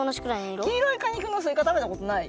きいろいかにくのすいかたべたことない？